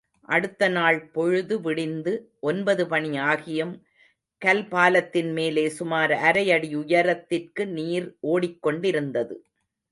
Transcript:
அடுத்த நாள் பொழுது விடிந்து ஒன்பது மணி ஆகியும் கல்பாலத்தின்மேலே சுமார் அரை அடி உயரத்திற்கு நீர் ஓடிக்கொண்டிருந்தது.